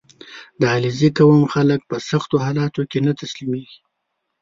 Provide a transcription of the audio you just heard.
• د علیزي قوم خلک په سختو حالاتو کې نه تسلیمېږي.